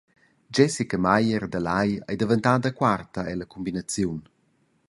Jessica Meier da Lai ei daventada quarta ella cumbinaziun.